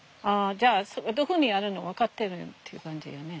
じゃあどこにあるの分かってるっていう感じやね。